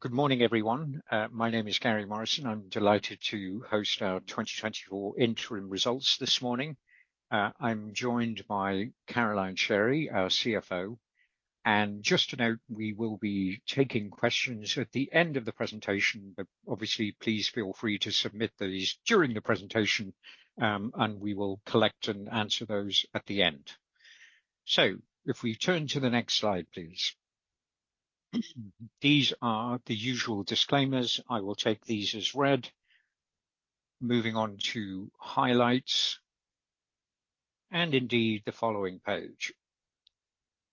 Good morning, everyone. My name is Gary Morrison. I'm delighted to host our 2024 interim results this morning. I'm joined by Caroline Sherry, our CFO, and just to note, we will be taking questions at the end of the presentation, but obviously, please feel free to submit those during the presentation, and we will collect and answer those at the end. So, if we turn to the next slide, please. These are the usual disclaimers. I will take these as read. Moving on to highlights and indeed, the following page.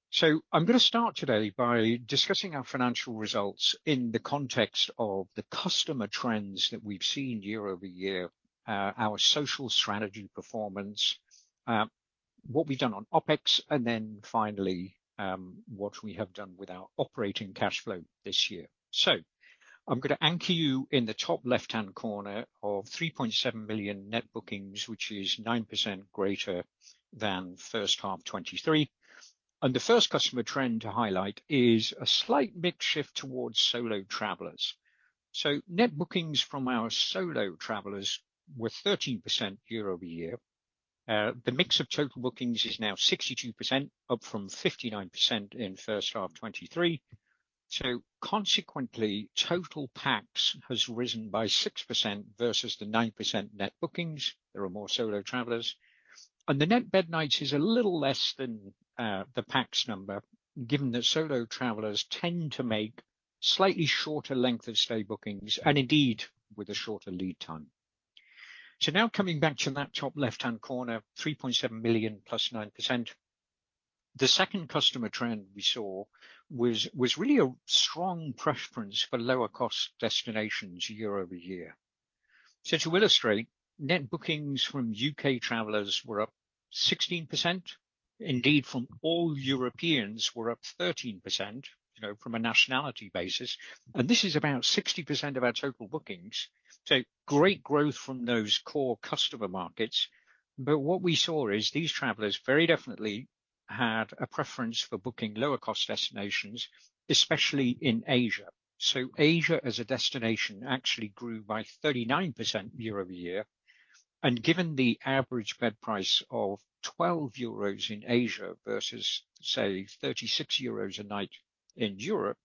So, I'm gonna start today by discussing our financial results in the context of the customer trends that we've seen year-over-year, our social strategy performance, what we've done on OpEx, and then finally, what we have done with our operating cash flow this year. So, I'm gonna anchor you in the top left-hand corner of 3.7 million net bookings, which is 9% greater than first half 2023, and the first customer trend to highlight is a slight mix shift towards solo travelers. So net bookings from our solo travelers were 13% year-over-year. The mix of total bookings is now 62%, up from 59% in first half 2023. So consequently, total PAX has risen by 6% versus the 9% net bookings. There are more solo travelers, and the net bed nights is a little less than the PAX number, given that solo travelers tend to make slightly shorter length of stay bookings, and indeed, with a shorter lead time. So now coming back to that top left-hand corner, 3.7 million +9%. The second customer trend we saw was really a strong preference for lower-cost destinations year-over-year. So to illustrate, net bookings from U.K. travelers were up 16%, indeed from all Europeans were up 13%, you know, from a nationality basis, and this is about 60% of our total bookings. So great growth from those core customer markets. But what we saw is these travelers very definitely had a preference for booking lower-cost destinations, especially in Asia. So Asia as a destination actually grew by 39% year-over-year, and given the average bed price of 12 euros in Asia versus, say, 36 euros a night in Europe,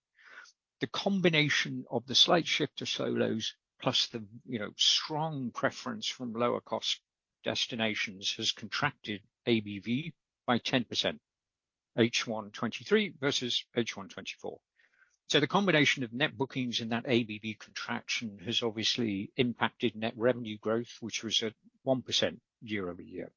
the combination of the slight shift to solos, plus the, you know, strong preference from lower-cost destinations, has contracted ABV by 10%, H1 2023 versus H1 2024. So the combination of net bookings and that ABV contraction has obviously impacted net revenue growth, which was at 1% year-over-year.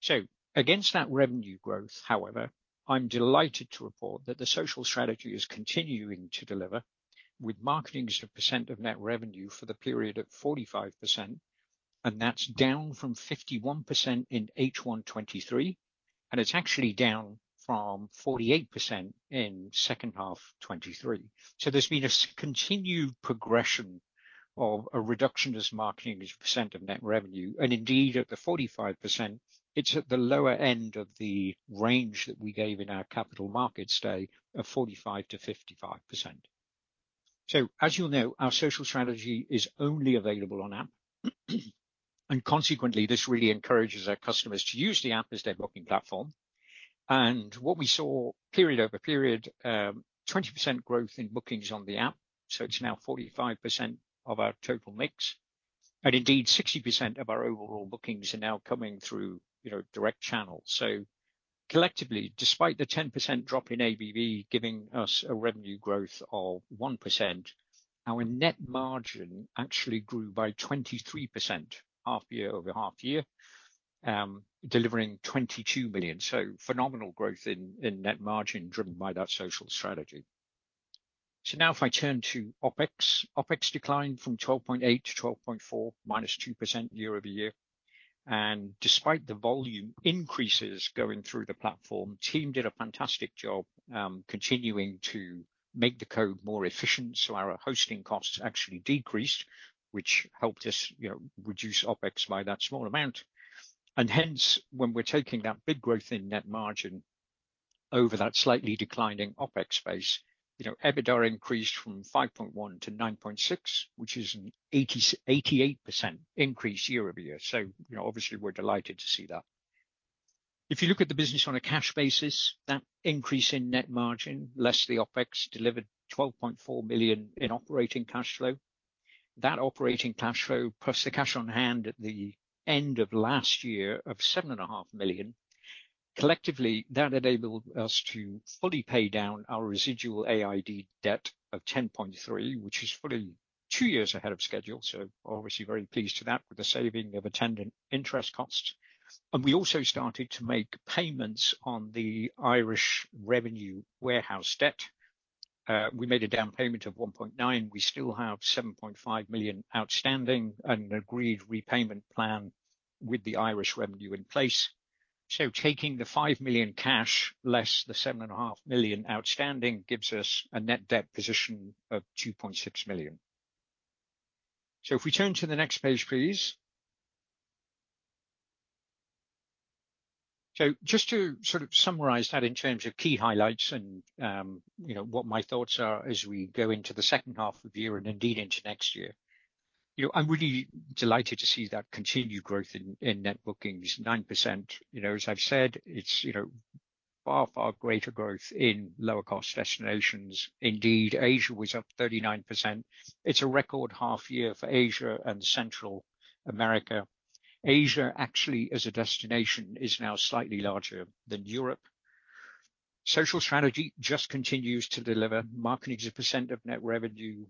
So against that revenue growth, however, I'm delighted to report that the social strategy is continuing to deliver, with marketing as a percent of net revenue for the period at 45%, and that's down from 51% in H1 2023, and it's actually down from 48% in second half 2023. So there's been a continued progression of a reduction as marketing as a percent of net revenue, and indeed, at the 45%, it's at the lower end of the range that we gave in our Capital Markets Day of 45%-55%. So, as you'll know, our social strategy is only available on app, and consequently, this really encourages our customers to use the app as their booking platform. What we saw period-over-period, 20% growth in bookings on the app, so it's now 45% of our total mix, and indeed, 60% of our overall bookings are now coming through, you know, direct channels. So collectively, despite the 10% drop in ABV giving us a revenue growth of 1%, our net margin actually grew by 23%, half-year-over-half-year, delivering 22 million. So phenomenal growth in net margin driven by that social strategy. So now if I turn to OpEx. OpEx declined from 12.8 to 12.4, -2% year-over-year, and despite the volume increases going through the platform, team did a fantastic job, continuing to make the code more efficient, so our hosting costs actually decreased, which helped us, you know, reduce OpEx by that small amount. Hence, when we're taking that big growth in net margin over that slightly declining OpEx phase, you know, EBITDA increased from 5.1 million to 9.6 million, which is an 88% increase year-over-year. So, you know, obviously, we're delighted to see that. If you look at the business on a cash basis, that increase in net margin, less the OpEx, delivered 12.4 million in operating cash flow. That operating cash flow, plus the cash on hand at the end of last year of 7.5 million, collectively, that enabled us to fully pay down our residual AIB debt of 10.3 million, which is fully two years ahead of schedule, so obviously very pleased with that, with the saving of attendant interest costs. And we also started to make payments on the Irish Revenue warehoused debt. We made a down payment of 1.9 million. We still have 7.5 million outstanding and an agreed repayment plan with the Irish Revenue in place. So taking the 5 million cash less the 7.5 million outstanding, gives us a net debt position of 2.6 million. So if we turn to the next page, please. So just to sort of summarize that in terms of key highlights and, you know, what my thoughts are as we go into the second half of the year and indeed into next year. You know, I'm really delighted to see that continued growth in net bookings, 9%. You know, as I've said, it's, you know, far, far greater growth in lower cost destinations. Indeed, Asia was up 39%. It's a record half year for Asia and Central America. Asia actually, as a destination, is now slightly larger than Europe. Social strategy just continues to deliver. Marketing as a percent of net revenue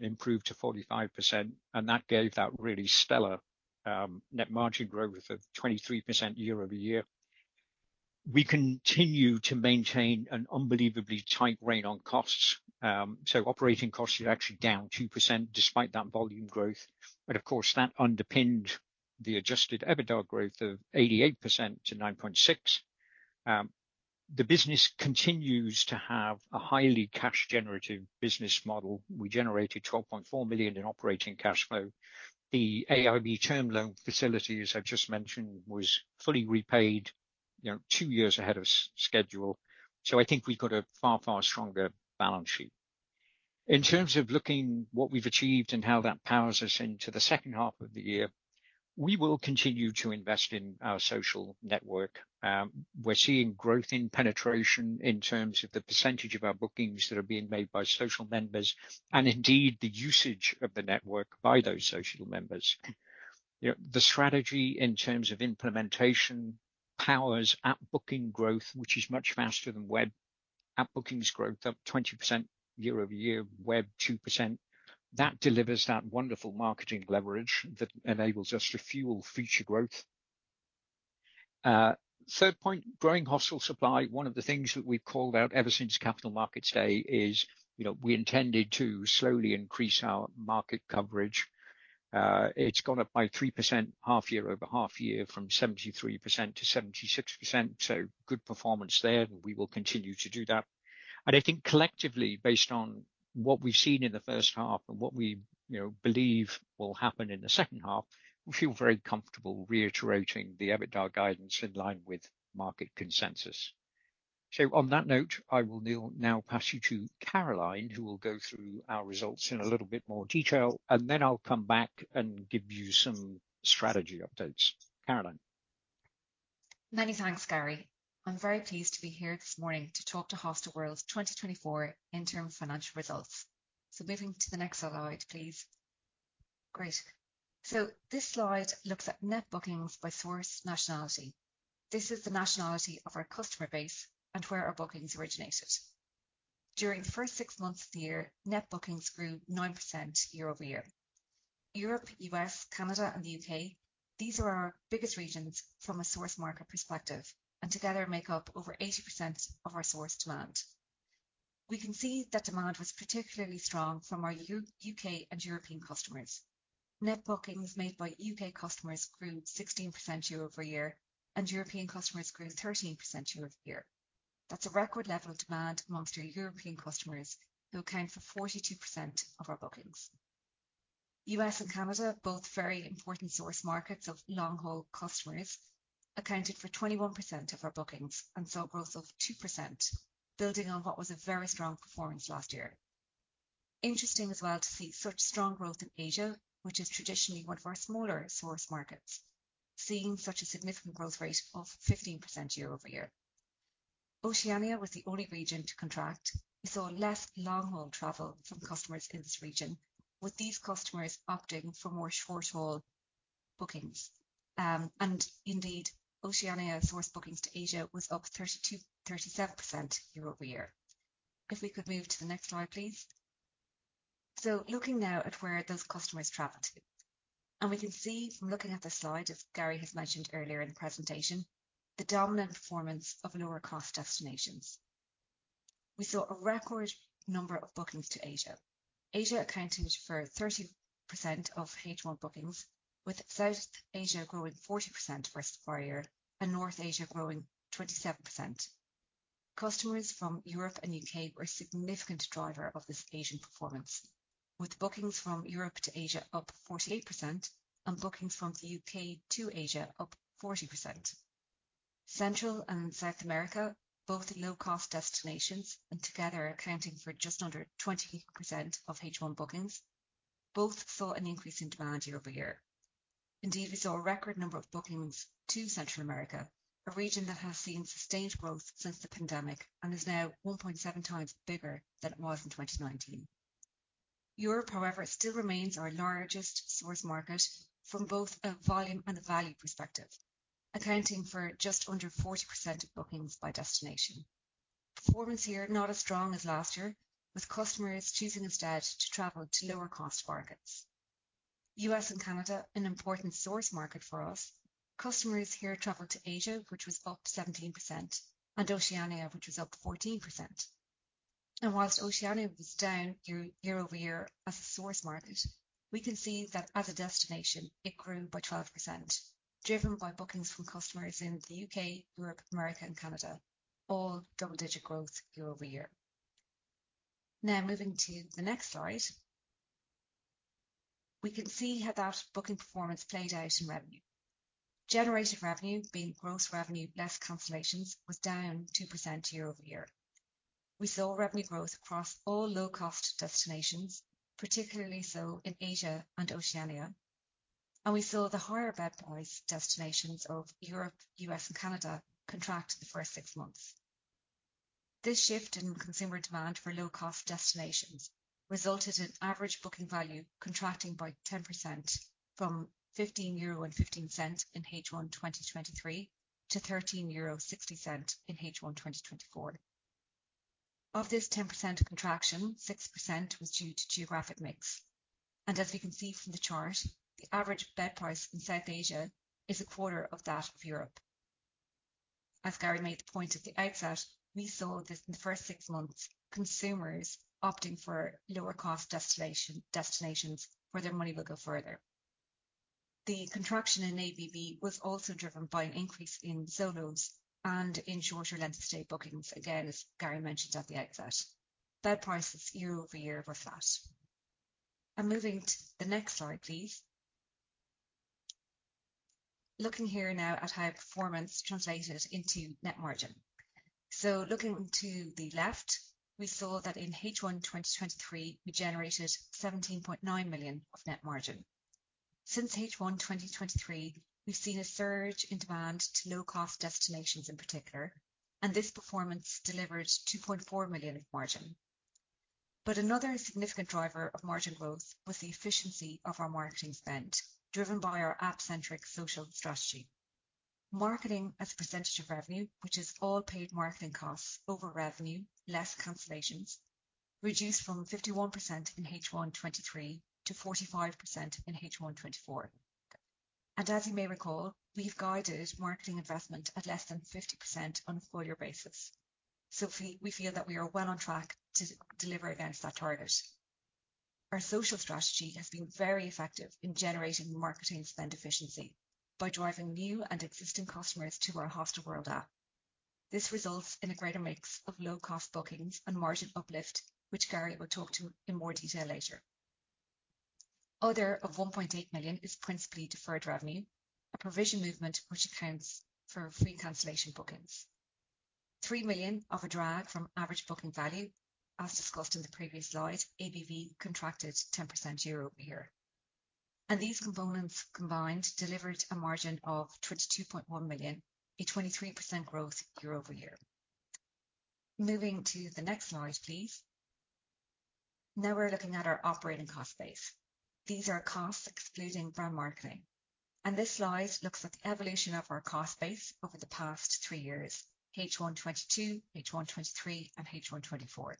improved to 45%, and that gave that really stellar net margin growth of 23% year-over-year. We continue to maintain an unbelievably tight rein on costs. So operating costs are actually down 2% despite that volume growth, but of course, that underpinned the adjusted EBITDA growth of 88% to 9.6 million. The business continues to have a highly cash-generative business model. We generated 12.4 million in operating cash flow. The AIB term loan facilities I've just mentioned were fully repaid, you know, two years ahead of schedule. So I think we've got a far, far stronger balance sheet. In terms of looking what we've achieved and how that powers us into the second half of the year, we will continue to invest in our social network. We're seeing growth in penetration in terms of the percentage of our bookings that are being made by social members and indeed, the usage of the network by those social members. You know, the strategy in terms of implementation powers app booking growth, which is much faster than web. App bookings growth up 20% year-over-year, web 2%. That delivers that wonderful marketing leverage that enables us to fuel future growth. Third point, growing hostel supply. One of the things that we've called out ever since Capital Markets Day is, you know, we intended to slowly increase our market coverage. It's gone up by 3% half-year-over-half-year from 73%-76%, so good performance there, and we will continue to do that. And I think collectively, based on what we've seen in the first half and what we, you know, believe will happen in the second half, we feel very comfortable reiterating the EBITDA guidance in line with market consensus. So on that note, I will now pass you to Caroline, who will go through our results in a little bit more detail, and then I'll come back and give you some strategy updates. Caroline? Many thanks, Gary. I'm very pleased to be here this morning to talk to Hostelworld's 2024 interim financial results. So, moving to the next slide, please. Great. So, this slide looks at net bookings by source nationality. This is the nationality of our customer base and where our bookings originated. During the first 6 months of the year, net bookings grew 9% year-over-year. Europe, U.S., Canada and the U.K., these are our biggest regions from a source market perspective and together make up over 80% of our source demand. We can see that demand was particularly strong from our U.K. and European customers. Net bookings made by U.K. customers grew 16% year-over-year, and European customers grew 13% year-over-year. That's a record level of demand amongst our European customers, who account for 42% of our bookings. U.S. and Canada, both very important source markets of long-haul customers, accounted for 21% of our bookings and saw a growth of 2%, building on what was a very strong performance last year. Interesting as well to see such strong growth in Asia, which is traditionally one of our smaller source markets, seeing such a significant growth rate of 15% year-over-year. Oceania was the only region to contract. We saw less long-haul travel from customers in this region, with these customers opting for more short-haul bookings. And indeed, Oceania source bookings to Asia was up 32%, 37% year-over-year. If we could move to the next slide, please. So, looking now at where those customers traveled to, and we can see from looking at this slide, as Gary has mentioned earlier in the presentation, the dominant performance of lower-cost destinations. We saw a record number of bookings to Asia. Asia accounted for 30% of H1 bookings, with South Asia growing 40% versus prior year, and North Asia growing 27%. Customers from Europe and U.K. were a significant driver of this Asian performance, with bookings from Europe to Asia up 48% and bookings from the U.K. to Asia up 40%. Central and South America, both low-cost destinations and together accounting for just under 20% of H1 bookings, both saw an increase in demand year-over-year. Indeed, we saw a record number of bookings to Central America, a region that has seen sustained growth since the pandemic and is now 1.7 times bigger than it was in 2019. Europe, however, still remains our largest source market from both a volume and a value perspective, accounting for just under 40% of bookings by destination. Performance here, not as strong as last year, with customers choosing instead to travel to lower-cost markets. U.S. and Canada, an important source market for us, customers here traveled to Asia, which was up 17%, and Oceania, which was up 14%. And while Oceania was down year-over-year as a source market, we can see that as a destination, it grew by 12%, driven by bookings from customers in the U.K., Europe, America and Canada. All double-digit growth year-over-year. Now, moving to the next slide. We can see how that booking performance played out in revenue. Generated revenue, being gross revenue, less cancellations, was down 2% year-over-year. We saw revenue growth across all low-cost destinations, particularly so in Asia and Oceania, and we saw the higher bed price destinations of Europe, U.S., and Canada contract in the first six months. This shift in consumer demand for low-cost destinations resulted in average booking value contracting by 10% from 15.15 euro in H1 2023 to 13.60 euro in H1 2024. Of this 10% contraction, 6% was due to geographic mix, and as we can see from the chart, the average bed price in South Asia is a quarter of that of Europe. As Gary made the point at the outset, we saw this in the first six months, consumers opting for lower-cost destination, destinations where their money will go further. The contraction in ABV was also driven by an increase in solos and in shorter length of stay bookings, again, as Gary mentioned at the outset. Bed prices year-over-year were flat. Moving to the next slide, please. Looking here now at how performance translated into net margin. So looking to the left, we saw that in H1 2023, we generated 17.9 million of net margin. Since H1 2023, we've seen a surge in demand to low-cost destinations in particular, and this performance delivered 2.4 million in margin. But another significant driver of margin growth was the efficiency of our marketing spend, driven by our app-centric social strategy. Marketing as a percentage of revenue, which is all paid marketing costs over revenue, less cancellations, reduced from 51% in H1 2023 to 45% in H1 2024. As you may recall, we've guided marketing investment at less than 50% on a full year basis. So we feel that we are well on track to deliver against that target. Our social strategy has been very effective in generating marketing spend efficiency by driving new and existing customers to our Hostelworld app. This results in a greater mix of low-cost bookings and margin uplift, which Gary will talk to in more detail later. Other, of 1.8 million, is principally deferred revenue, a provision movement which accounts for free cancellation bookings. 3 million of a drag from average booking value, as discussed in the previous slide, ABV contracted 10% year-over-year. These components combined delivered a margin of 22.1 million, a 23% growth year-over-year. Moving to the next slide, please. Now we're looking at our operating cost base. These are costs excluding brand marketing, and this slide looks at the evolution of our cost base over the past three years: H1 2022, H1 2023, and H1 2024.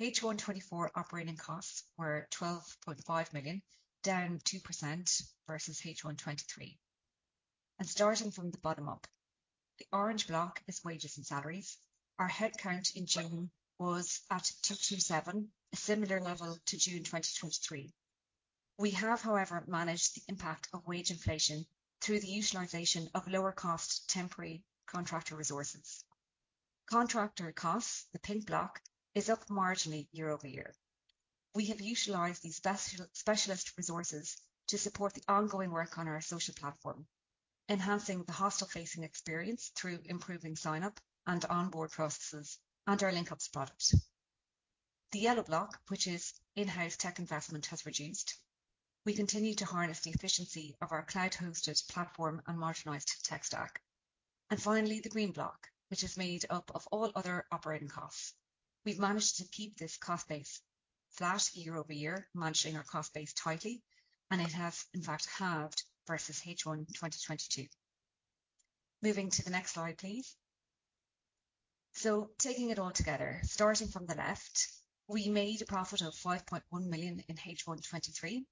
H1 2024 operating costs were 12.5 million, down 2% versus H1 2023. And starting from the bottom up, the orange block is wages and salaries. Our headcount in June was at 227, a similar level to June 2023. We have, however, managed the impact of wage inflation through the utilization of lower-cost temporary contractor resources. Contractor costs, the pink block, is up marginally year-over-year. We have utilized these specialist resources to support the ongoing work on our social platform, enhancing the hostel-facing experience through improving sign-up and onboard processes, and our LinkUps product. The yellow block, which is in-house tech investment, has reduced. We continue to harness the efficiency of our cloud-hosted platform and modernized tech stack. And finally, the green block, which is made up of all other operating costs. We've managed to keep this cost base flat year-over-year, managing our cost base tightly, and it has in fact halved versus H1 2022. Moving to the next slide, please. So taking it all together, starting from the left, we made a profit of 5.1 million in H1 2023.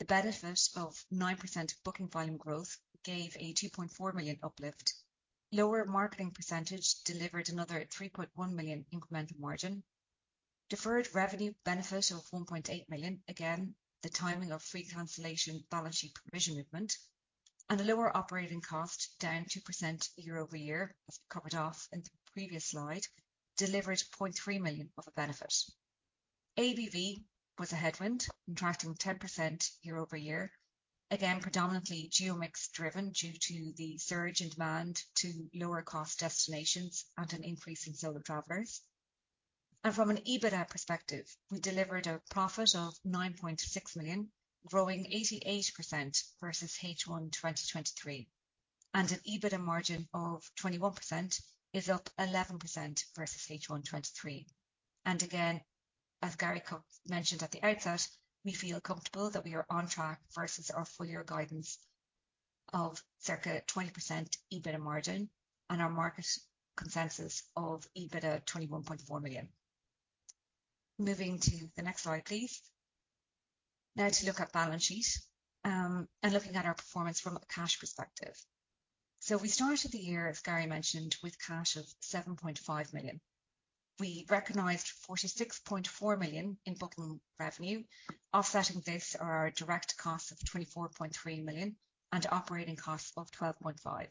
The benefit of 9% booking volume growth gave a 2.4 million uplift. Lower marketing percentage delivered another 3.1 million incremental margin. Deferred revenue benefit of 1.8 million, again, the timing of free cancellation balance sheet provision movement, and a lower operating cost, down 2% year-over-year, as covered off in the previous slide, delivered 0.3 million of a benefit. ABV was a headwind, contracting 10% year-over-year, again, predominantly geo mix driven, due to the surge in demand to lower-cost destinations and an increase in solo travelers. From an EBITDA perspective, we delivered a profit of 9.6 million, growing 88% versus H1 2023, and an EBITDA margin of 21% is up 11% versus H1 2023. And again, as Gary Morrison mentioned at the outset, we feel comfortable that we are on track versus our full year guidance of circa 20% EBITDA margin and our market consensus of EBITDA 21.4 million. Moving to the next slide, please. Now, to look at balance sheet, and looking at our performance from a cash perspective. So, we started the year, as Gary mentioned, with cash of 7.5 million. We recognized 46.4 million in booking revenue. Offsetting this are our direct costs of 24.3 million and operating costs of 12.5 million.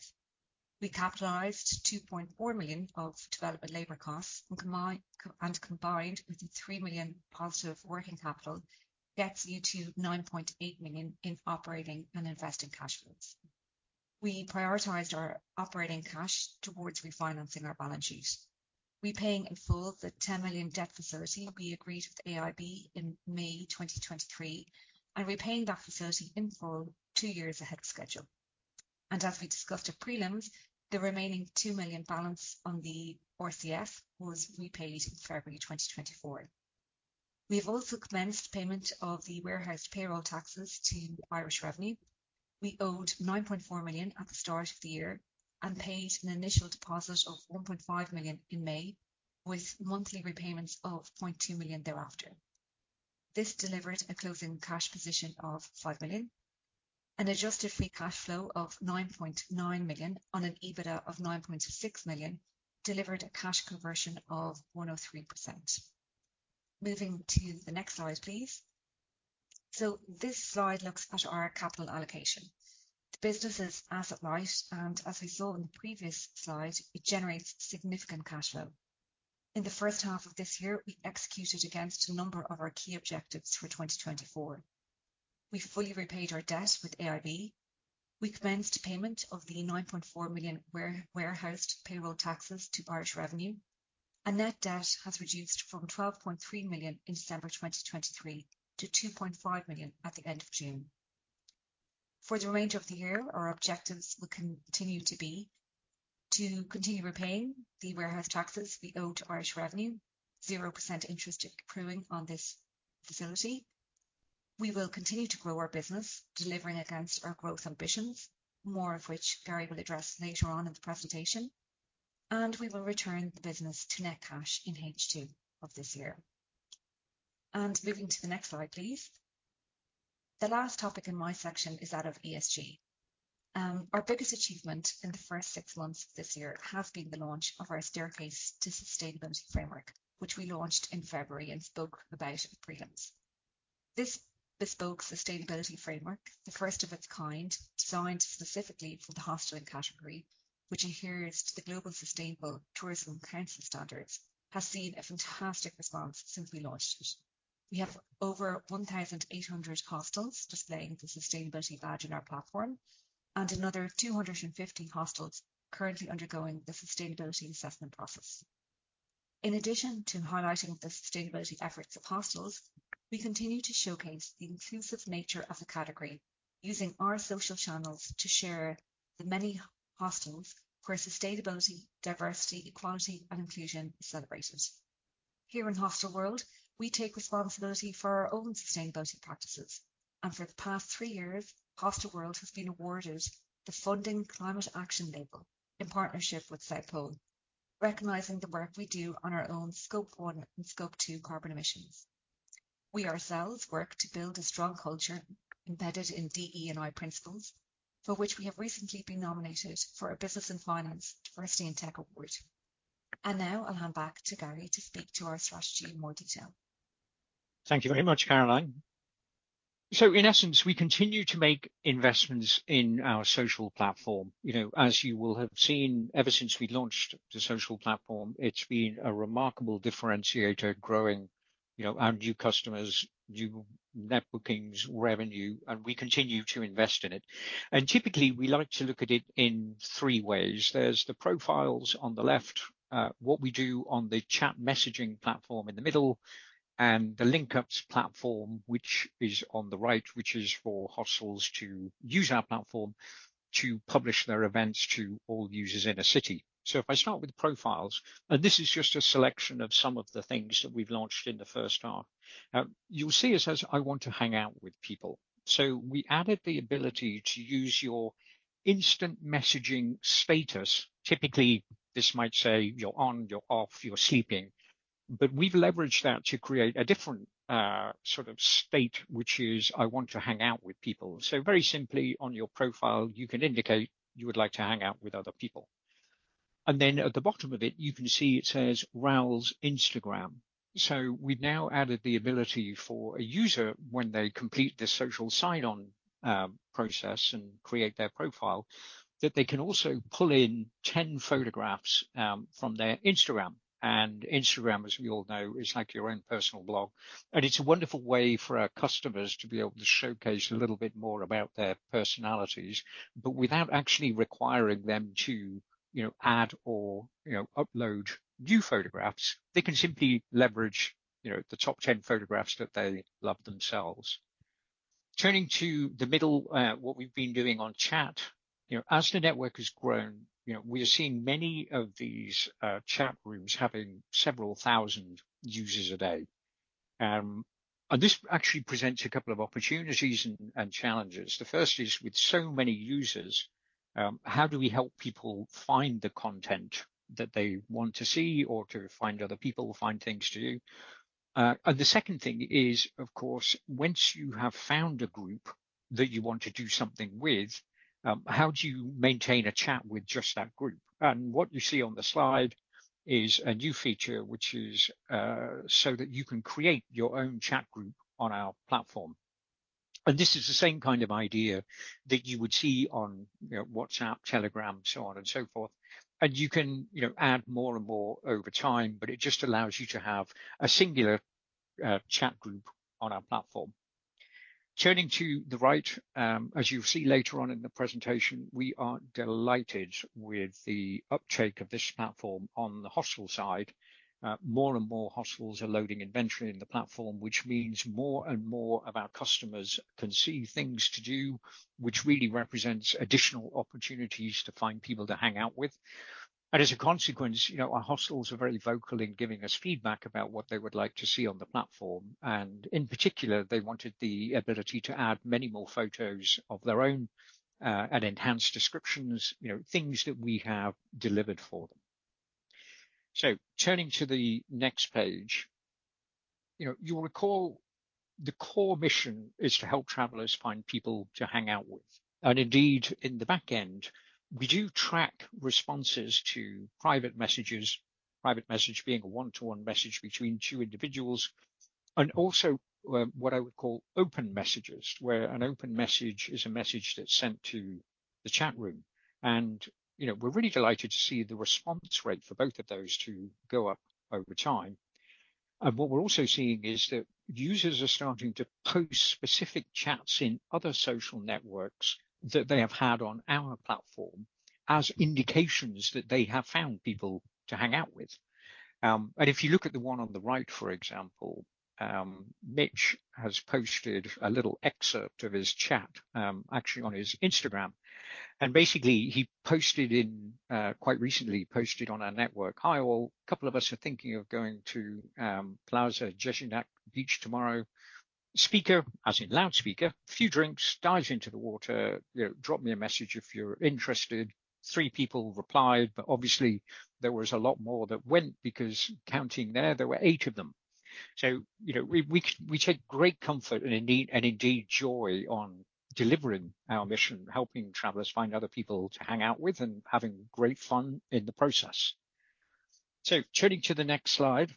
We capitalized 2.4 million of development labor costs, and combined with the 3 million positive working capital, gets you to 9.8 million in operating and investing cash flows. We prioritized our operating cash towards refinancing our balance sheet, repaying in full the 10 million debt facility we agreed with AIB in May 2023, and repaying that facility in full 2 years ahead of schedule. As we discussed at prelims, the remaining 2 million balance on the RCF was repaid in February 2024. We have also commenced payment of the warehoused payroll taxes to Irish Revenue. We owed 9.4 million at the start of the year and paid an initial deposit of 1.5 million in May, with monthly repayments of 0.2 million thereafter. This delivered a closing cash position of 5 million. An adjusted free cash flow of 9.9 million on an EBITDA of 9.6 million, delivered a cash conversion of 103%. Moving to the next slide, please. So this slide looks at our capital allocation. The business is asset light, and as we saw in the previous slide, it generates significant cash flow. In the first half of this year, we executed against a number of our key objectives for 2024. We fully repaid our debt with AIB. We commenced payment of the 9.4 million warehoused payroll taxes to Irish Revenue, and net debt has reduced from 12.3 million in December 2023 to 2.5 million at the end of June. For the remainder of the year, our objectives will continue to be: to continue repaying the warehouse taxes we owe to Irish Revenue, 0% interest accruing on this facility. We will continue to grow our business, delivering against our growth ambitions, more of which Gary will address later on in the presentation, and we will return the business to net cash in H2 of this year. And moving to the next slide, please. The last topic in my section is that of ESG. Our biggest achievement in the first 6 months of this year has been the launch of our Staircase to Sustainability framework, which we launched in February and spoke about at prelims. This bespoke sustainability framework, the first of its kind, designed specifically for the hostel category, which adheres to the Global Sustainable Tourism Council standards, has seen a fantastic response since we launched it. We have over 1,800 hostels displaying the sustainability badge on our platform, and another 250 hostels currently undergoing the sustainability assessment process. In addition to highlighting the sustainability efforts of hostels, we continue to showcase the inclusive nature of the category, using our social channels to share the many hostels where sustainability, diversity, equality, and inclusion is celebrated. Here in Hostelworld, we take responsibility for our own sustainability practices, and for the past three years, Hostelworld has been awarded the Funding Climate Action label in partnership with South Pole, recognizing the work we do on our own scope one and scope two carbon emissions. We ourselves work to build a strong culture embedded in DE&I principles, for which we have recently been nominated for a Business & Finance Diversity in Tech Awards. Now I'll hand back to Gary to speak to our strategy in more detail. Thank you very much, Caroline. So, in essence, we continue to make investments in our social platform. You know, as you will have seen, ever since we launched the social platform, it's been a remarkable differentiator, growing, you know, our new customers, new net bookings, revenue, and we continue to invest in it. And typically, we like to look at it in three ways: There's the Profiles on the left, what we do on the chat messaging platform in the middle, and the LinkUps platform, which is on the right, which is for hostels to use our platform to publish their events to all users in a city. So if I start with Profiles, and this is just a selection of some of the things that we've launched in the first half. You'll see it says, "I want to hang out with people." So we added the ability to use your instant messaging status. Typically, this might say, you're on, you're off, you're sleeping. But we've leveraged that to create a different, sort of state, which is, "I want to hang out with people." So very simply, on your profile, you can indicate you would like to hang out with other people. And then at the bottom of it, you can see it says, "Raoul's Instagram." So we've now added the ability for a user, when they complete the social sign-on process and create their profile, that they can also pull in 10 photographs from their Instagram. Instagram, as we all know, is like your own personal blog, and it's a wonderful way for our customers to be able to showcase a little bit more about their personalities, but without actually requiring them to, you know, add or, you know, upload new photographs. They can simply leverage, you know, the top 10 photographs that they love themselves. Turning to the middle, what we've been doing on chat. You know, as the network has grown, you know, we are seeing many of these chat rooms having several thousand users a day. And this actually presents a couple of opportunities and challenges. The first is, with so many users, how do we help people find the content that they want to see or to find other people or find things to do? And the second thing is, of course, once you have found a group that you want to do something with, how do you maintain a chat with just that group? And what you see on the slide is a new feature, which is, so that you can create your own chat group on our platform... and this is the same kind of idea that you would see on, you know, WhatsApp, Telegram, so on and so forth. And you can, you know, add more and more over time, but it just allows you to have a singular, chat group on our platform. Turning to the right, as you'll see later on in the presentation, we are delighted with the uptake of this platform on the hostel side. More and more hostels are loading inventory in the platform, which means more and more of our customers can see things to do, which really represents additional opportunities to find people to hang out with. As a consequence, you know, our hostels are very vocal in giving us feedback about what they would like to see on the platform, and in particular, they wanted the ability to add many more photos of their own, and enhance descriptions, you know, things that we have delivered for them. Turning to the next page. You know, you'll recall the core mission is to help travelers find people to hang out with. And indeed, in the back end, we do track responses to private messages, private message being a one-to-one message between two individuals, and also, what I would call open messages, where an open message is a message that's sent to the chat room. And, you know, we're really delighted to see the response rate for both of those to go up over time. And what we're also seeing is that users are starting to post specific chats in other social networks that they have had on our platform as indications that they have found people to hang out with. And if you look at the one on the right, for example, Mitch has posted a little excerpt of his chat, actually on his Instagram, and basically, he posted in, quite recently posted on our network: "Hi, all." A couple of us are thinking of going to Plaża Ježinac beach tomorrow. Speaker, as in loudspeaker, few drinks, dive into the water. You know, drop me a message if you're interested. Three people replied, but obviously, there was a lot more that went because counting there, there were eight of them. So, you know, we take great comfort and indeed joy on delivering our mission, helping travelers find other people to hang out with and having great fun in the process. So turning to the next slide,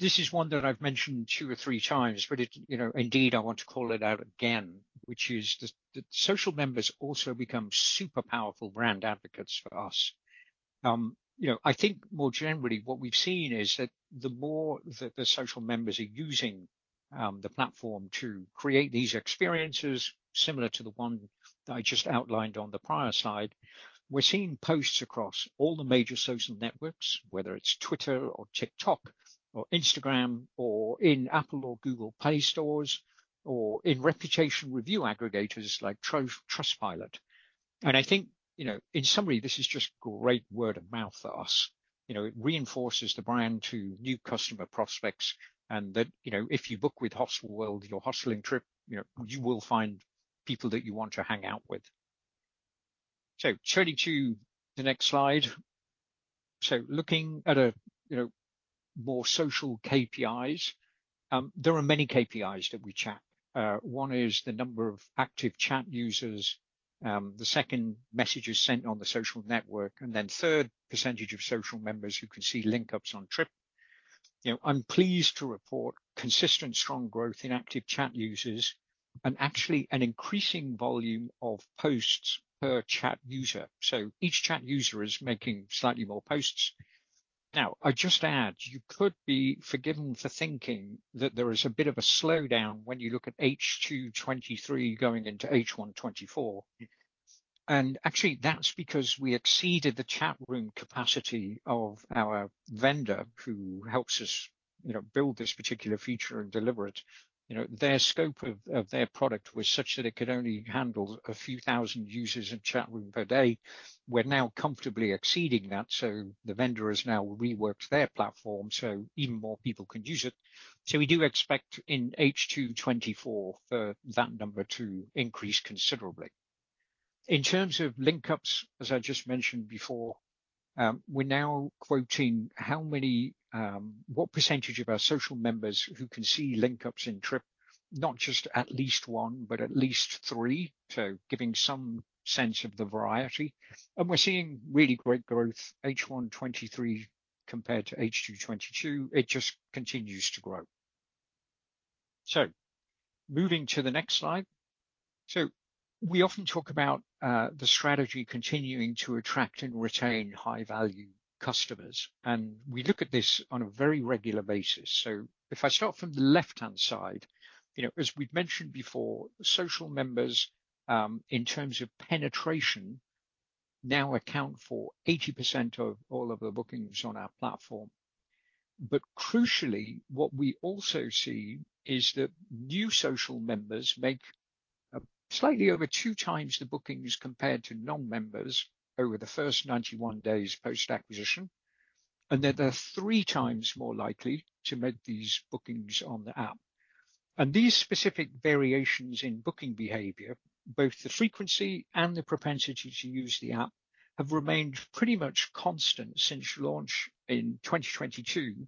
this is one that I've mentioned two or three times, but it, you know, indeed, I want to call it out again, which is the social members also become super powerful brand advocates for us. You know, I think more generally, what we've seen is that the more that the social members are using the platform to create these experiences, similar to the one that I just outlined on the prior slide, we're seeing posts across all the major social networks, whether it's Twitter or TikTok or Instagram, or in Apple or Google Play stores, or in reputation review aggregators like Trustpilot. And I think, you know, in summary, this is just great word-of-mouth for us. You know, it reinforces the brand to new customer prospects, and that, you know, if you book with Hostelworld, your hosteling trip, you know, you will find people that you want to hang out with. So turning to the next slide. So looking at a, you know, more social KPIs, there are many KPIs that we track. One is the number of active chat users, the second, messages sent on the social network, and then third, percentage of social members who can see LinkUps on trip. You know, I'm pleased to report consistent strong growth in active chat users and actually an increasing volume of posts per chat user, so each chat user is making slightly more posts. Now, I'd just add, you could be forgiven for thinking that there is a bit of a slowdown when you look at H2 2023 going into H1 2024. Actually, that's because we exceeded the chat room capacity of our vendor, who helps us, you know, build this particular feature and deliver it. You know, their scope of their product was such that it could only handle a few thousand users in chat room per day. We're now comfortably exceeding that, so the vendor has now reworked their platform, so even more people can use it. So we do expect in H2 2024 for that number to increase considerably. In terms of LinkUps, as I just mentioned before, we're now quoting what percentage of our social members who can see LinkUps in trip, not just at least one, but at least three, so giving some sense of the variety. And we're seeing really great growth, H1 2023 compared to H2 2022. It just continues to grow. So moving to the next slide. So we often talk about the strategy continuing to attract and retain high-value customers, and we look at this on a very regular basis. If I start from the left-hand side, you know, as we've mentioned before, social members in terms of penetration now account for 80% of all of the bookings on our platform. But crucially, what we also see is that new social members make slightly over two times the bookings compared to non-members over the first 91 days post-acquisition, and that they're three times more likely to make these bookings on the app. These specific variations in booking behavior, both the frequency and the propensity to use the app, have remained pretty much constant since launch in 2022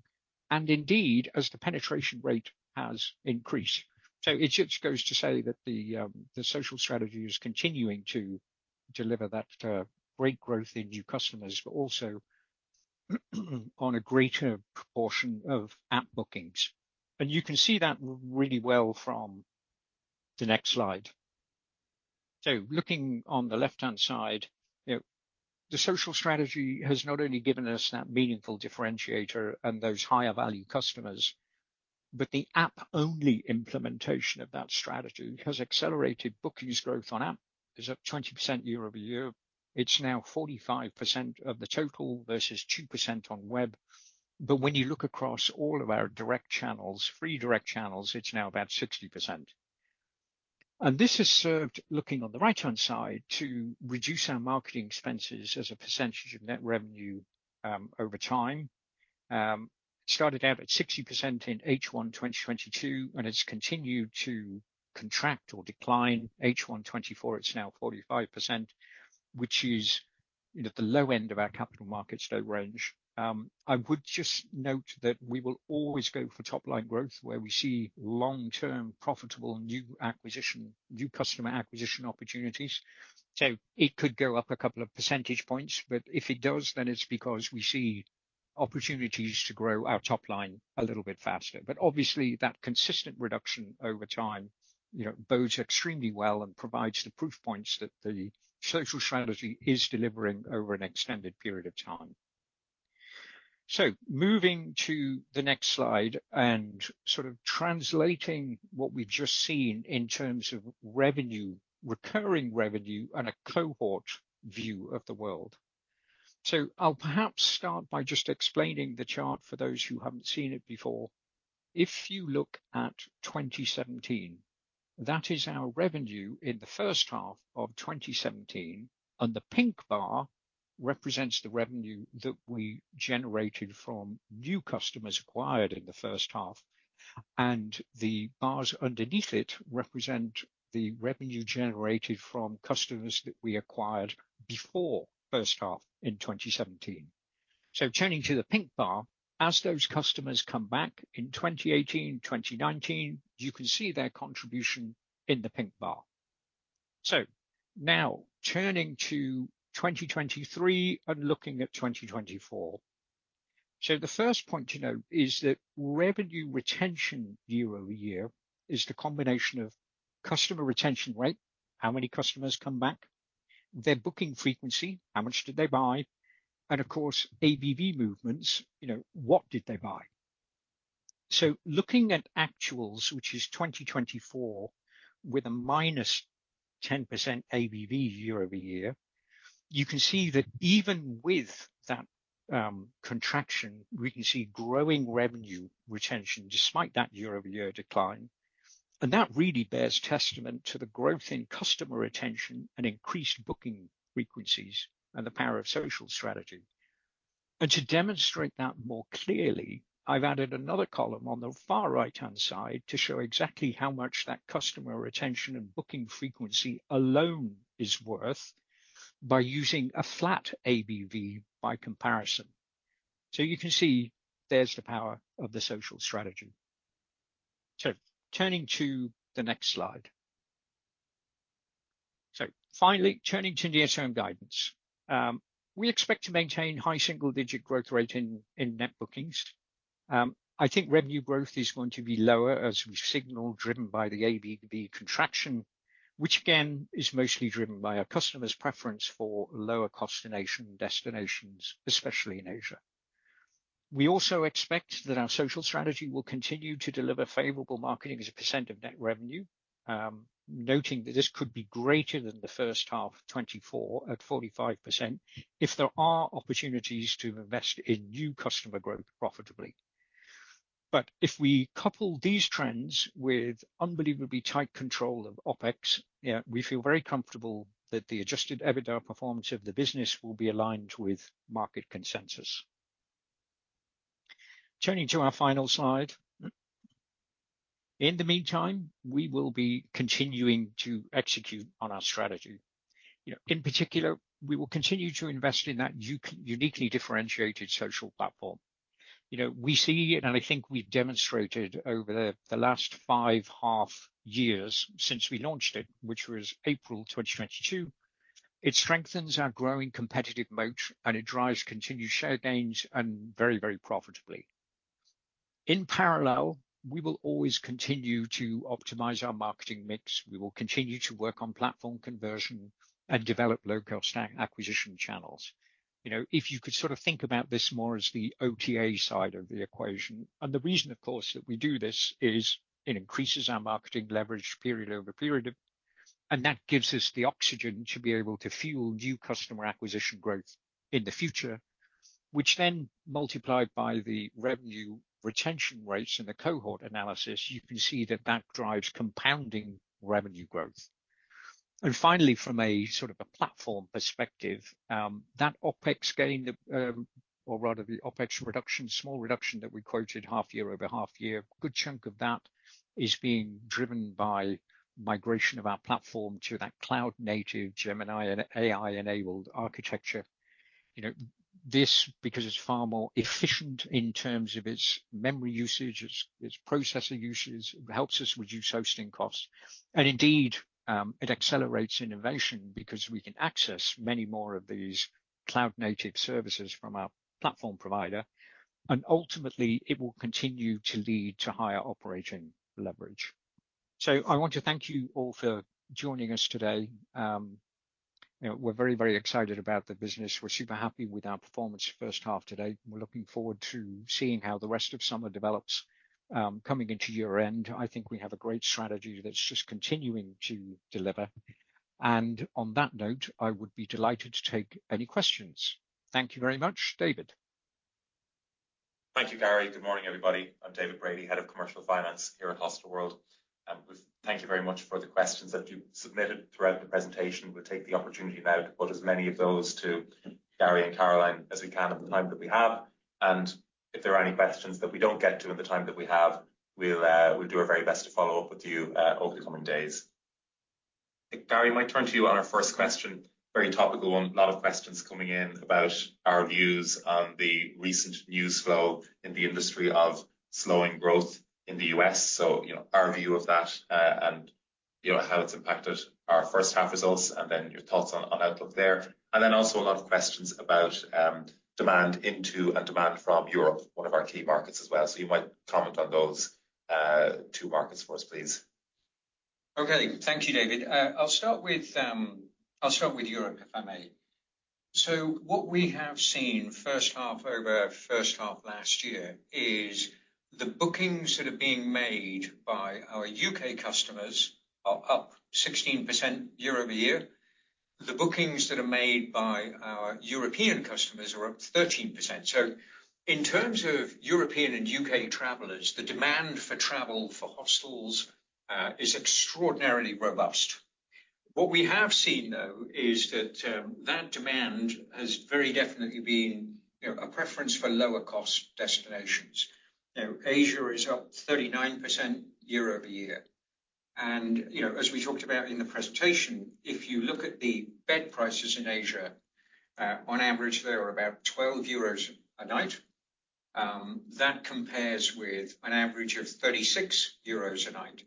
and indeed, as the penetration rate has increased. It just goes to say that the social strategy is continuing to deliver that great growth in new customers, but also... On a greater proportion of app bookings, and you can see that really well from the next slide. So looking on the left-hand side, you know, the social strategy has not only given us that meaningful differentiator and those higher value customers, but the app-only implementation of that strategy has accelerated bookings growth on app. It's up 20% year-over-year. It's now 45% of the total versus 2% on web. But when you look across all of our direct channels, free direct channels, it's now about 60%. And this has served, looking on the right-hand side, to reduce our marketing expenses as a percentage of net revenue over time. Started out at 60% in H1 2022, and it's continued to contract or decline. H1 2024, it's now 45%, which is, you know, at the low end of our Capital Markets Day low range. I would just note that we will always go for top-line growth where we see long-term, profitable, new customer acquisition opportunities. So, it could go up a couple of percentage points, but if it does, then it's because we see opportunities to grow our top line a little bit faster. But obviously, that consistent reduction over time, you know, bodes extremely well and provides the proof points that the social strategy is delivering over an extended period of time. So moving to the next slide and sort of translating what we've just seen in terms of revenue, recurring revenue, and a cohort view of the world. So, I'll perhaps start by just explaining the chart for those who haven't seen it before. If you look at 2017, that is our revenue in the first half of 2017, and the pink bar represents the revenue that we generated from new customers acquired in the first half, and the bars underneath it represent the revenue generated from customers that we acquired before first half in 2017. So turning to the pink bar, as those customers come back in 2018, 2019, you can see their contribution in the pink bar. So now turning to 2023 and looking at 2024. So the first point to note is that revenue retention year-over-year is the combination of customer retention rate, how many customers come back, their booking frequency, how much did they buy, and of course, ABV movements, you know, what did they buy? So looking at actuals, which is 2024, with a -10% ABV year-over-year, you can see that even with that, contraction, we can see growing revenue retention despite that year-over-year decline. And that really bears testament to the growth in customer retention and increased booking frequencies and the power of social strategy. And to demonstrate that more clearly, I've added another column on the far right-hand side to show exactly how much that customer retention and booking frequency alone is worth by using a flat ABV by comparison. So you can see there's the power of the social strategy. So turning to the next slide. So finally, turning to the AGM guidance. We expect to maintain high single-digit growth rate in net bookings. I think revenue growth is going to be lower, as we've signaled, driven by the ABV contraction, which again, is mostly driven by our customers' preference for lower-cost destinations, especially in Asia. We also expect that our social strategy will continue to deliver favorable marketing as a percent of net revenue, noting that this could be greater than the first half of 2024 at 45% if there are opportunities to invest in new customer growth profitably. But if we couple these trends with unbelievably tight control of OpEx, yeah, we feel very comfortable that the adjusted EBITDA performance of the business will be aligned with market consensus. Turning to our final slide. In the meantime, we will be continuing to execute on our strategy. You know, in particular, we will continue to invest in that uniquely differentiated social platform. You know, we see it, and I think we've demonstrated over the last five half years since we launched it, which was April 2022, it strengthens our growing competitive moat, and it drives continued share gains and very, very profitably. In parallel, we will always continue to optimize our marketing mix. We will continue to work on platform conversion and develop low-cost acquisition channels. You know, if you could sort of think about this more as the OTA side of the equation, and the reason, of course, that we do this is it increases our marketing leverage period-over-period, and that gives us the oxygen to be able to fuel new customer acquisition growth in the future, which then multiplied by the revenue retention rates in the cohort analysis, you can see that that drives compounding revenue growth. And finally, from a sort of a platform perspective, that OpEx gain, or rather the OpEx reduction, small reduction that we quoted half year over half year, good chunk of that is being driven by migration of our platform to that cloud-native Gemini and AI-enabled architecture. You know this because it's far more efficient in terms of its memory usage, its processing usage, helps us reduce hosting costs. And indeed, it accelerates innovation because we can access many more of these cloud-native services from our platform provider, and ultimately it will continue to lead to higher operating leverage. So I want to thank you all for joining us today. You know, we're very, very excited about the business. We're super happy with our performance first half today, and we're looking forward to seeing how the rest of summer develops. Coming into year-end, I think we have a great strategy that's just continuing to deliver. On that note, I would be delighted to take any questions. Thank you very much. David? Thank you, Gary. Good morning, everybody. I'm David Brady, Head of Commercial Finance here at Hostelworld. We thank you very much for the questions that you've submitted throughout the presentation. We'll take the opportunity now to put as many of those to Gary and Caroline as we can at the time that we have, and if there are any questions that we don't get to in the time that we have, we'll do our very best to follow up with you over the coming days. I think, Gary, might turn to you on our first question, very topical one. A lot of questions coming in about our views on the recent news flow in the industry of slowing growth in the U.S. So, you know, our view of that and you know, how it's impacted our first half results, and then your thoughts on outlook there. And then also a lot of questions about demand into and demand from Europe, one of our key markets as well. So you might comment on those two markets for us, please. Okay. Thank you, David. I'll start with Europe, if I may. So what we have seen first half over first half last year is the bookings that are being made by our U.K. customers are up 16% year-over-year. The bookings that are made by our European customers are up 13%. So, in terms of European and U.K. travelers, the demand for travel for hostels is extraordinarily robust. What we have seen, though, is that that demand has very definitely been, you know, a preference for lower-cost destinations. You know, Asia is up 39% year-over-year, and, you know, as we talked about in the presentation, if you look at the bed prices in Asia, on average, they are about 12 euros a night. That compares with an average of 36 euros a night.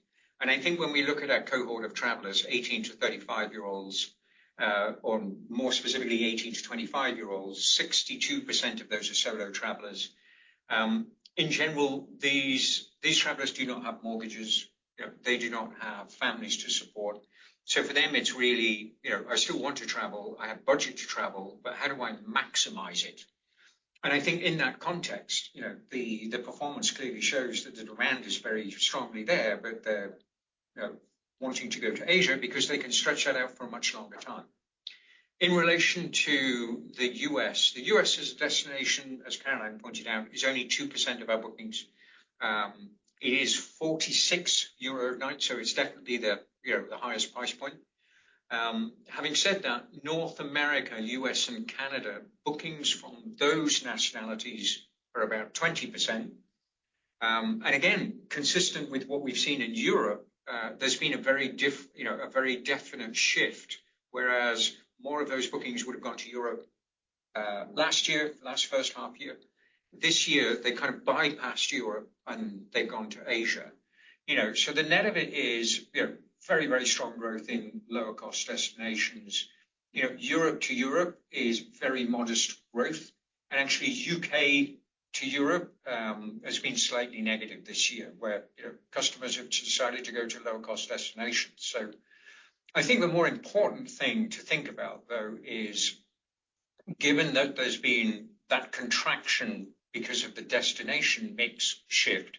I think when we look at our cohort of travelers, 18- to 35-year-olds, or more specifically, 18- to 25-year-olds, 62% of those are solo travelers. In general, these, these travelers do not have mortgages, you know, they do not have families to support. So, for them, it's really, you know, "I still want to travel, I have budget to travel, but how do I maximize it?" And I think in that context, you know, the, the performance clearly shows that the demand is very strongly there, but they're, you know, wanting to go to Asia because they can stretch that out for a much longer time. In relation to the U.S., the U.S. as a destination, as Caroline pointed out, is only 2% of our bookings. It is 46 euro a night, so it's definitely the, you know, the highest price point. Having said that, North America, U.S., and Canada, bookings from those nationalities are about 20%. And again, consistent with what we've seen in Europe, there's been a very definite shift, whereas more of those bookings would've gone to Europe, last year, last first half year. This year, they kind of bypassed Europe, and they've gone to Asia. You know, so the net of it is, you know, very, very strong growth in lower-cost destinations. You know, Europe to Europe is very modest growth, and actually, U.K. to Europe, has been slightly negative this year, where, you know, customers have decided to go to lower-cost destinations. So I think the more important thing to think about, though, is given that there's been that contraction because of the destination mix shift,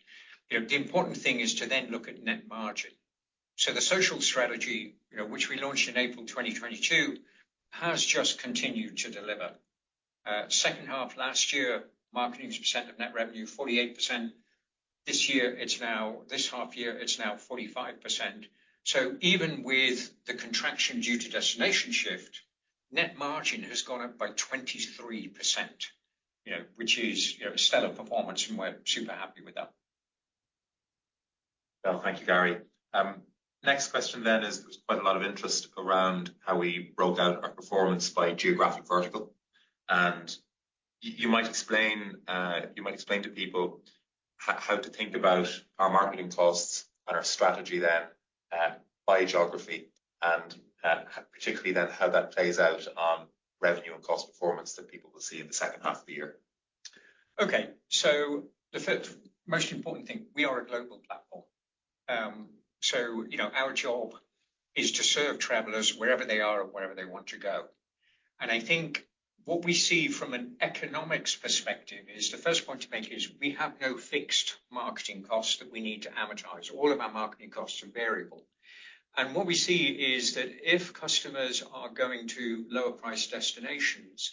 you know, the important thing is to then look at net margin. So the social strategy, you know, which we launched in April 2022, has just continued to deliver. Second half last year, marketing's percent of net revenue, 48%. This year, it's now—this half year, it's now 45%. So even with the contraction due to destination shift, net margin has gone up by 23%, you know, which is, you know, a stellar performance, and we're super happy with that. Well, thank you, Gary. Next question then is there's quite a lot of interest around how we broke out our performance by geographic vertical, and you might explain, you might explain to people how to think about our marketing costs and our strategy then, by geography and, particularly then how that plays out on revenue and cost performance that people will see in the second half of the year. Okay. So the first most important thing, we are a global platform. So, you know, our job is to serve travelers wherever they are or wherever they want to go. And I think what we see from an economics perspective is, the first point to make is we have no fixed marketing costs that we need to amortize. All of our marketing costs are variable, and what we see is that if customers are going to lower-price destinations,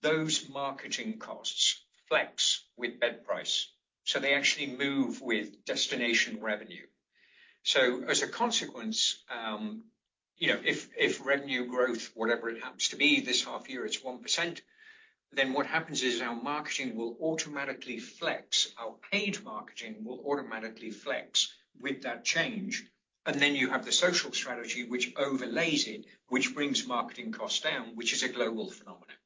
those marketing costs flex with bed price, so they actually move with destination revenue. So, as a consequence, you know, if revenue growth, whatever it happens to be, this half year it's 1%, then what happens is our marketing will automatically flex, our paid marketing will automatically flex with that change. And then you have the social strategy, which overlays it, which brings marketing costs down, which is a global phenomenon.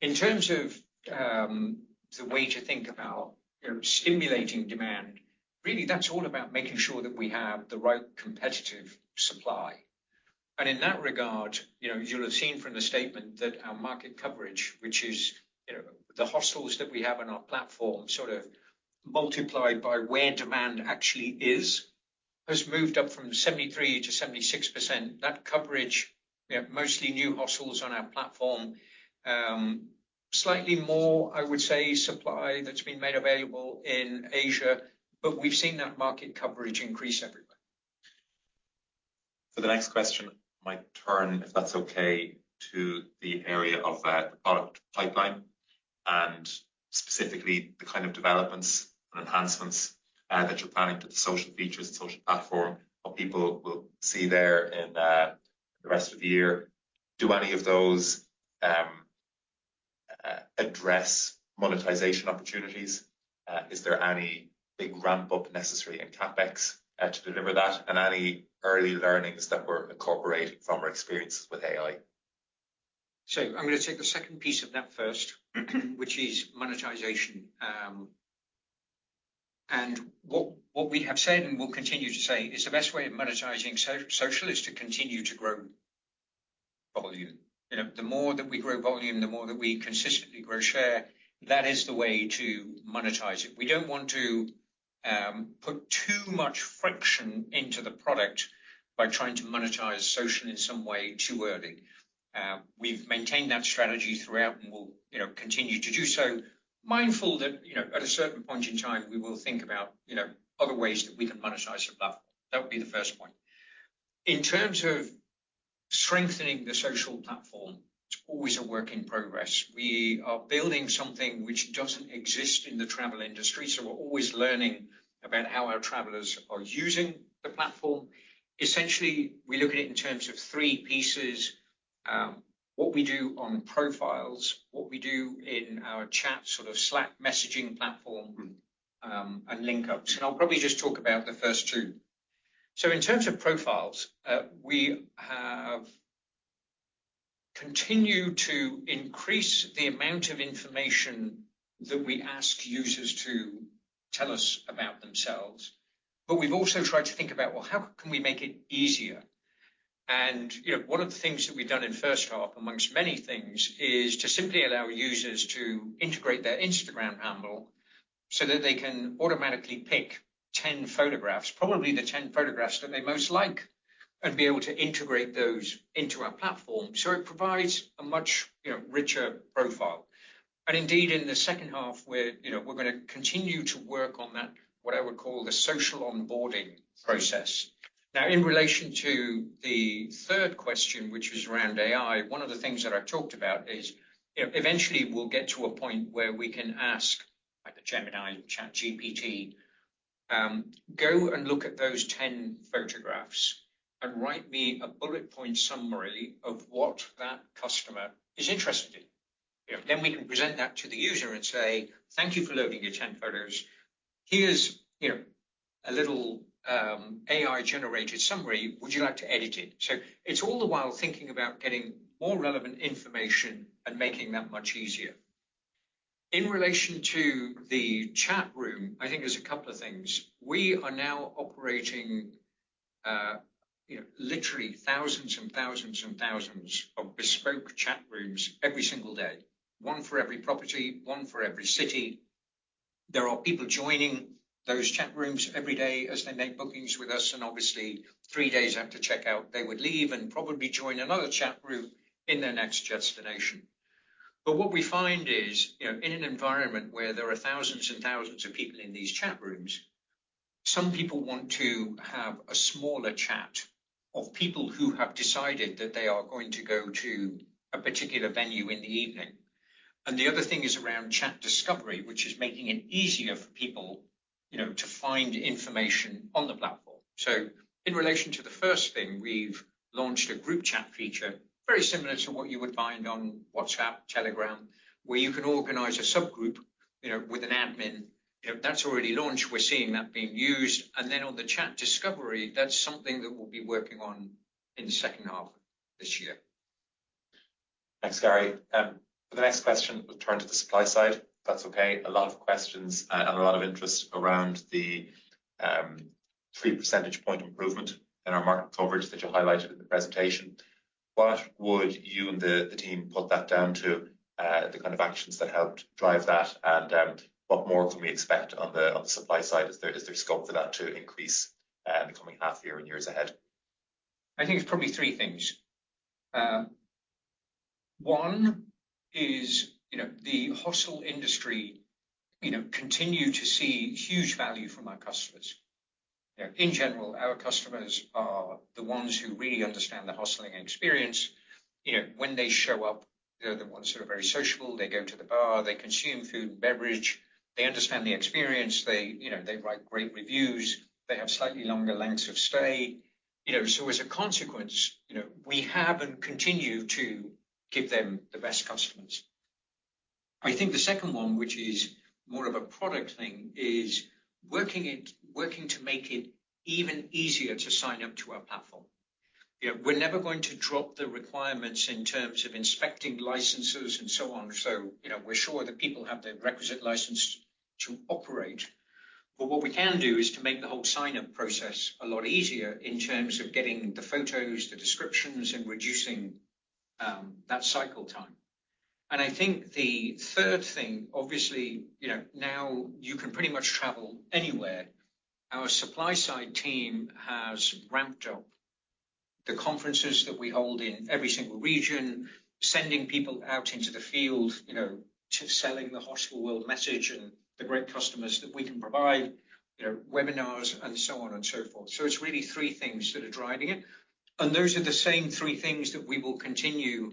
In terms of the way to think about, you know, stimulating demand, really, that's all about making sure that we have the right competitive supply. In that regard, you know, you'll have seen from the statement that our market coverage, which is, you know, the hostels that we have on our platform, sort of multiplied by where demand actually is, has moved up from 73%-76%. That coverage, we have mostly new hostels on our platform. Slightly more, I would say, supply that's been made available in Asia, but we've seen that market coverage increase everywhere. So the next question might turn, if that's okay, to the area of, the product pipeline and specifically the kind of developments and enhancements, that you're planning to the social features and social platform what people will see there in, the rest of the year. Do any of those, address monetization opportunities? Is there any big ramp-up necessary in CapEx, to deliver that, and any early learnings that we're incorporating from our experiences with AI? So I'm gonna take the second piece of that first, which is monetization. And what, what we have said and will continue to say is the best way of monetizing social is to continue to grow volume. You know, the more that we grow volume, the more that we consistently grow share, that is the way to monetize it. We don't want to, put too much friction into the product by trying to monetize social in some way too early. We've maintained that strategy throughout, and we'll, you know, continue to do so, mindful that, you know, at a certain point in time, we will think about, you know, other ways that we can monetize above. That would be the first point. In terms of strengthening the social platform, it's always a work in progress. We are building something which doesn't exist in the travel industry, so we're always learning about how our travelers are using the platform. Essentially, we look at it in terms of three pieces: what we do on Profiles, what we do in our chat, sort of Slack messaging platform, and LinkUps, and I'll probably just talk about the first two. So in terms of Profiles, we have continued to increase the amount of information that we ask users to tell us about themselves, but we've also tried to think about, well, how can we make it easier? You know, one of the things that we've done in the first half, among many things, is to simply allow users to integrate their Instagram handle, so that they can automatically pick 10 photographs, probably the 10 photographs that they most like, and be able to integrate those into our platform. So, it provides a much, you know, richer profile. Indeed, in the second half, we're, you know, we're gonna continue to work on that, what I would call the social onboarding process. Now, in relation to the third question, which is around AI, one of the things that I talked about is, you know, eventually we'll get to a point where we can ask, like a Gemini, ChatGPT, "Go and look at those 10 photographs and write me a bullet point summary of what that customer is interested in." You know, then we can present that to the user and say, "Thank you for loading your 10 photos. Here's, you know, a little, AI-generated summary. Would you like to edit it?" So, it's all the while thinking about getting more relevant information and making that much easier. In relation to the chat room, I think there's a couple of things. We are now operating, you know, literally thousands and thousands and thousands of bespoke chat rooms every single day. One for every property, one for every city. There are people joining those chat rooms every day as they make bookings with us, and obviously, three days after check-out, they would leave and probably join another chat room in their next destination. But what we find is, you know, in an environment where there are thousands and thousands of people in these chat rooms, some people want to have a smaller chat of people who have decided that they are going to go to a particular venue in the evening. And the other thing is around chat discovery, which is making it easier for people, you know, to find information on the platform. So in relation to the first thing, we've launched a group chat feature, very similar to what you would find on WhatsApp, Telegram, where you can organize a subgroup, you know, with an admin. You know, that's already launched. We're seeing that being used. And then on the chat discovery, that's something that we'll be working on in the second half of this year. Thanks, Gary. For the next question, we'll turn to the supply side. That's okay. A lot of questions and a lot of interest around the 3 percentage point improvement in our market coverage that you highlighted in the presentation. What would you and the team put that down to, the kind of actions that helped drive that, and what more can we expect on the supply side? Is there scope for that to increase in the coming half year and years ahead? I think it's probably three things. One is, you know, the hostel industry, you know, continue to see huge value from our customers. You know, in general, our customers are the ones who really understand the hosting experience. You know, when they show up, they're the ones who are very sociable. They go to the bar, they consume food and beverage, they understand the experience, they, you know, they write great reviews, they have slightly longer lengths of stay. You know, so as a consequence, you know, we have and continue to give them the best customers. I think the second one, which is more of a product thing, is working to make it even easier to sign up to our platform. You know, we're never going to drop the requirements in terms of inspecting licenses and so on, so, you know, we're sure that people have the requisite license to operate. But what we can do is to make the whole sign-up process a lot easier in terms of getting the photos, the descriptions, and reducing that cycle time. And I think the third thing, obviously, you know, now you can pretty much travel anywhere. Our supply side team has ramped up the conferences that we hold in every single region, sending people out into the field, you know, to selling the Hostelworld message and the great customers that we can provide, you know, webinars and so on and so forth. So, it's really three things that are driving it, and those are the same three things that we will continue,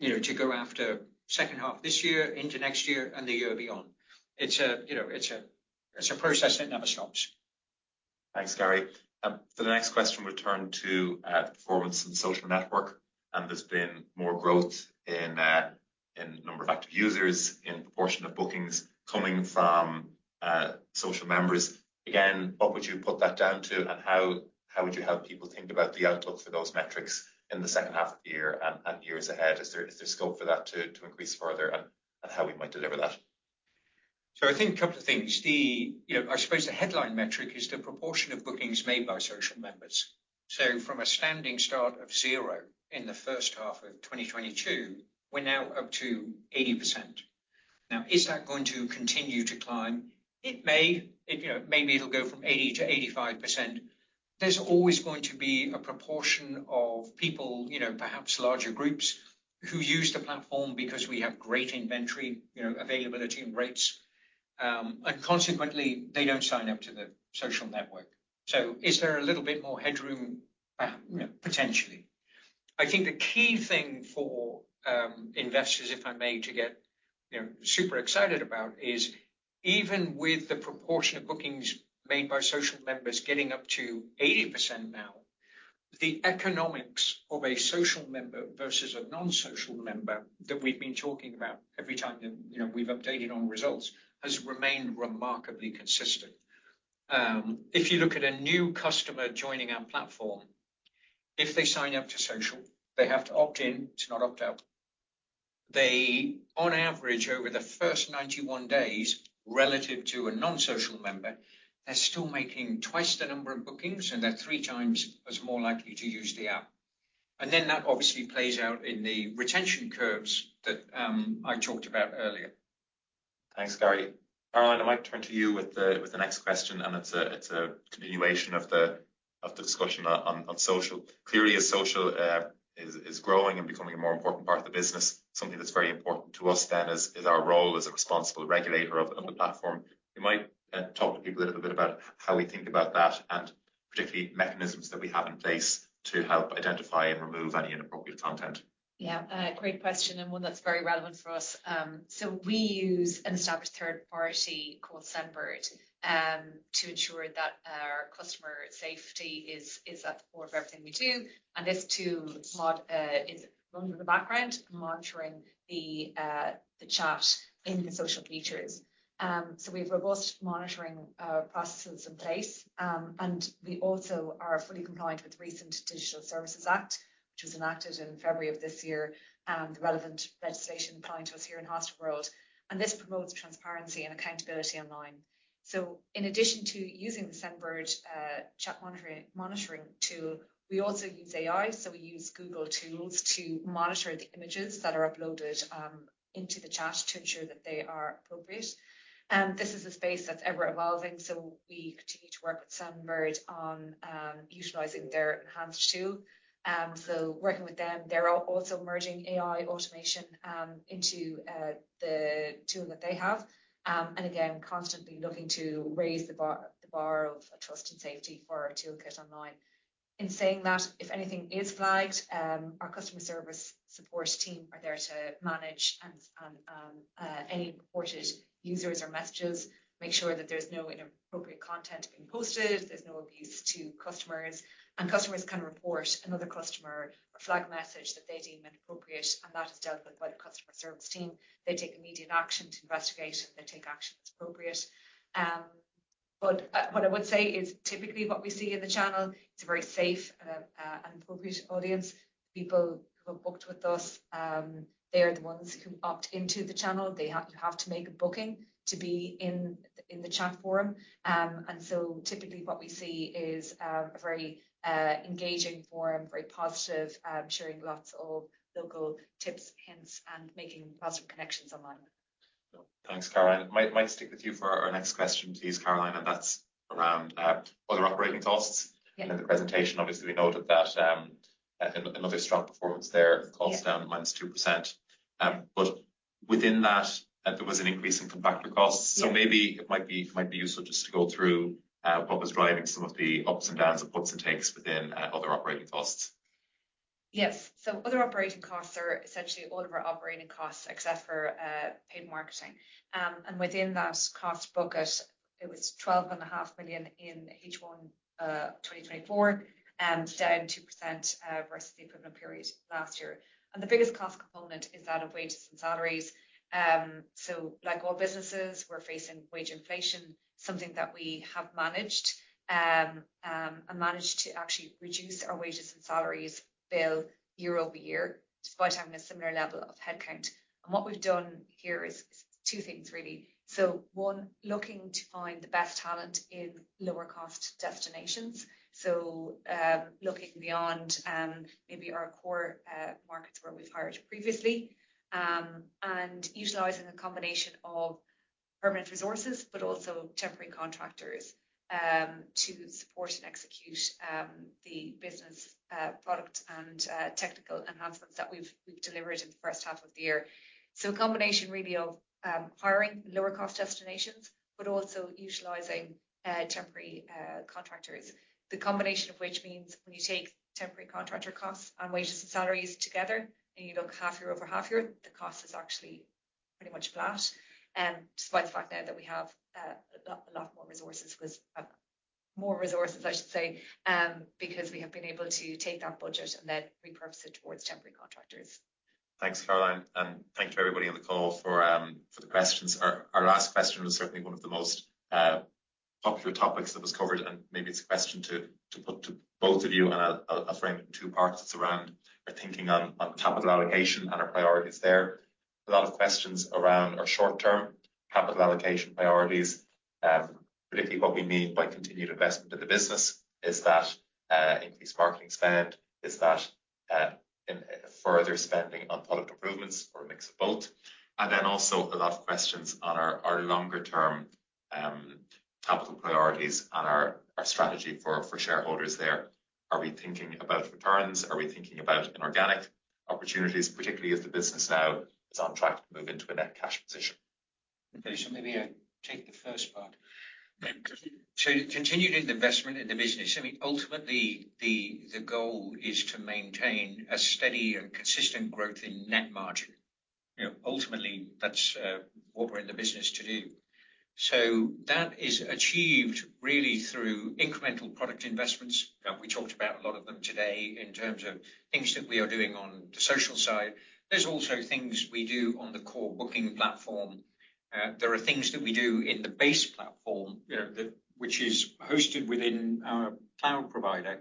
you know, to go after second half this year into next year and the year beyond. It's a, you know, process that never stops. Thanks, Gary. For the next question, we'll turn to performance and social network, and there's been more growth in number of active users, in proportion of bookings coming from social members. Again, what would you put that down to, and how, how would you have people think about the outlook for those metrics in the second half of the year and years ahead? Is there scope for that to increase further and how we might deliver that? So I think a couple of things. The, you know, I suppose the headline metric is the proportion of bookings made by social members. So from a standing start of zero in the first half of 2022, we're now up to 80%. Now, is that going to continue to climb? It may. It, you know, maybe it'll go from 80%-85%. There's always going to be a proportion of people, you know, perhaps larger groups, who use the platform because we have great inventory, you know, availability and rates, and consequently, they don't sign up to the social network. So, is there a little bit more headroom? You know, potentially. I think the key thing for, investors, if I may, to get, you know, super excited about, is even with the proportion of bookings made by social members getting up to 80% now, the economics of a social member versus a non-social member that we've been talking about every time that, you know, we've updated on results, has remained remarkably consistent. If you look at a new customer joining our platform, if they sign up to social, they have to opt in, it's not opt out. They, on average, over the first 91 days, relative to a non-social member, they're still making twice the number of bookings, and they're three times as more likely to use the app. And then that obviously plays out in the retention curves that, I talked about earlier. Thanks, Gary. Caroline, I might turn to you with the next question, and it's a continuation of the discussion on social. Clearly, as social is growing and becoming a more important part of the business, something that's very important to us then is our role as a responsible regulator of the platform. You might talk to people a little bit about how we think about that, and particularly mechanisms that we have in place to help identify and remove any inappropriate content. Yeah, great question, and one that's very relevant for us. So we use an established third party called Sendbird to ensure that our customer safety is at the core of everything we do, and this tool is run in the background, monitoring the chat in the social features. So we have robust monitoring processes in place, and we also are fully compliant with the recent Digital Services Act, which was enacted in February of this year, and the relevant legislation applying to us here in Hostelworld. This promotes transparency and accountability online. So in addition to using the Sendbird chat monitoring tool, we also use AI. So, we use Google tools to monitor the images that are uploaded into the chat to ensure that they are appropriate. This is a space that's ever-evolving, so we continue to work with Sendbird on utilizing their enhanced tool. Working with them, they're also merging AI automation into the tool that they have, and again, constantly looking to raise the bar of trust and safety for our toolkit online. In saying that, if anything is flagged, our customer service support team are there to manage and any reported users or messages, make sure that there's no inappropriate content being posted, there's no abuse to customers. Customers can report another customer or flag a message that they deem inappropriate, and that is dealt with by the customer service team. They take immediate action to investigate, and they take action that's appropriate. But what I would say is, typically, what we see in the channel, it's a very safe and appropriate audience. People who have booked with us, they are the ones who opt into the channel. They have— You have to make a booking to be in the chat forum. And so typically what we see is a very engaging forum, very positive, sharing lots of local tips, hints, and making positive connections online. Thanks, Caroline. Might stick with you for our next question, please, Caroline, and that's around other operating costs. In the presentation, obviously, we noted that another strong performance there costs down -2%. But within that, there was an increase in contractor costs. So maybe it might be useful just to go through what was driving some of the ups and downs and puts and takes within other operating costs. Yes. So other operating costs are essentially all of our operating costs except for paid marketing. And within that cost bucket, it was 12.5 million in H1 2024, and down 2% versus the equivalent period last year. And the biggest cost component is that of wages and salaries. So like all businesses, we're facing wage inflation, something that we have managed and managed to actually reduce our wages and salaries bill year-over-year, despite having a similar level of headcount. And what we've done here is two things, really. So one, looking to find the best talent in lower-cost destinations. So, looking beyond maybe our core markets where we've hired previously, and utilizing a combination of permanent resources, but also temporary contractors, to support and execute the business, product, and technical enhancements that we've delivered in the first half of the year. So a combination really of hiring lower cost destinations, but also utilizing temporary contractors. The combination of which means when you take temporary contractor costs and wages and salaries together, and you look half-year-over-half-year, the cost is actually pretty much flat, despite the fact now that we have a lot more resources, more resources, I should say, because we have been able to take that budget and then repurpose it towards temporary contractors. Thanks, Caroline, and thank you to everybody on the call for the questions. Our last question was certainly one of the most popular topics that was covered, and maybe it's a question to put to both of you, and I'll frame it in two parts. It's around our thinking on capital allocation and our priorities there. A lot of questions around our short-term capital allocation priorities, particularly what we mean by continued investment in the business. Is that increased marketing spend? Is that in further spending on product improvements or a mix of both? And then also a lot of questions on our longer-term capital priorities and our strategy for shareholders there. Are we thinking about returns? Are we thinking about inorganic opportunities, particularly as the business now is on track to move into a net cash position? Maybe I should maybe take the first part. So continuing the investment in the business, I mean, ultimately, the goal is to maintain a steady and consistent growth in net margin. You know, ultimately, that's what we're in the business to do. So that is achieved really through incremental product investments. We talked about a lot of them today in terms of things that we are doing on the social side. There's also things we do on the core booking platform. There are things that we do in the base platform, you know, that, which is hosted within our cloud provider.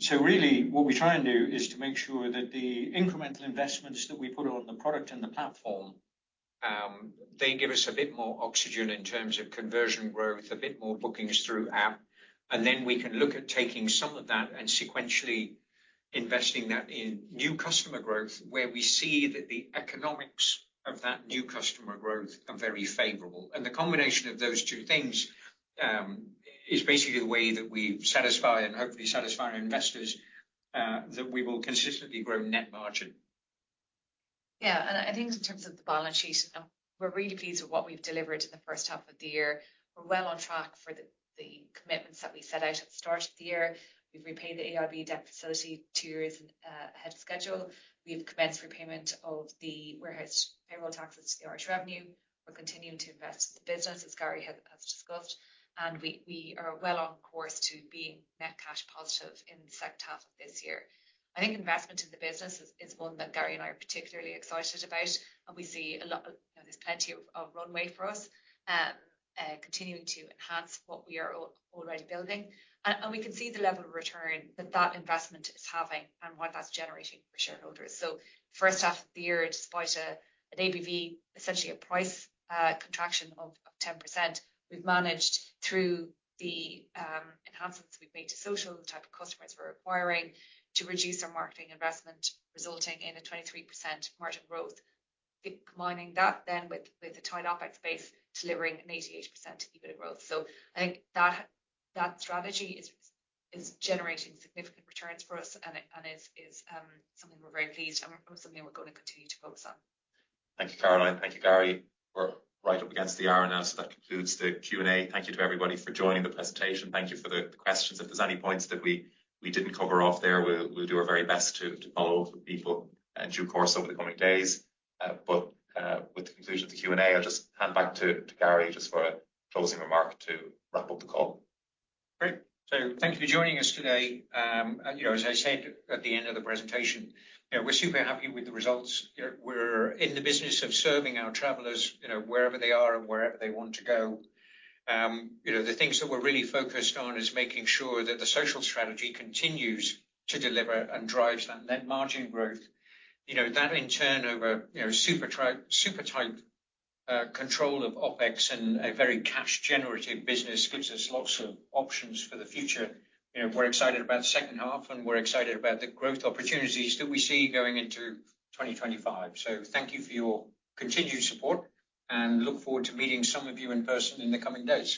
So really, what we try and do is to make sure that the incremental investments that we put on the product and the platform, they give us a bit more oxygen in terms of conversion growth, a bit more bookings through app, and then we can look at taking some of that and sequentially investing that in new customer growth, where we see that the economics of that new customer growth are very favorable. And the combination of those two things, is basically the way that we satisfy and hopefully satisfy our investors, that we will consistently grow net margin. Yeah, and I think in terms of the balance sheet, we're really pleased with what we've delivered in the first half of the year. We're well on track for the commitments that we set out at the start of the year. We've repaid the AIB debt facility two years ahead of schedule. We've commenced repayment of the outstanding payroll taxes to the Irish Revenue. We're continuing to invest in the business, as Gary has discussed, and we are well on course to being net cash positive in the second half of this year. I think investment in the business is one that Gary and I are particularly excited about, and we see a lot of, there's plenty of runway for us continuing to enhance what we are already building. We can see the level of return that that investment is having and what that's generating for shareholders. So first half of the year, despite an ABV, essentially a price contraction of 10%, we've managed through the enhancements we've made to social, the type of customers we're acquiring to reduce our marketing investment, resulting in a 23% margin growth. Combining that then with the tight OpEx base, delivering an 88% EBITDA growth. So I think that strategy is something we're very pleased and something we're going to continue to focus on. Thank you, Caroline. Thank you, Gary. We're right up against the hour now, so that concludes the Q&A. Thank you to everybody for joining the presentation. Thank you for the questions. If there's any points that we didn't cover off there, we'll do our very best to follow up with people in due course over the coming days. But with the conclusion of the Q&A, I'll just hand back to Gary just for a closing remark to wrap up the call. Great. So thank you for joining us today. You know, as I said at the end of the presentation, you know, we're super happy with the results. You know, we're in the business of serving our travelers, you know, wherever they are and wherever they want to go. You know, the things that we're really focused on is making sure that the social strategy continues to deliver and drives that net margin growth. You know, that in turn over, you know, super tight, super tight, control of OpEx and a very cash-generative business gives us lots of options for the future. You know, we're excited about the second half, and we're excited about the growth opportunities that we see going into 2025. So thank you for your continued support and look forward to meeting some of you in person in the coming days.